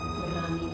ngapain kamu sih nona